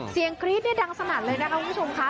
เสียงครีดดังสนัดเลยนะครับคุณผู้ชมค่ะ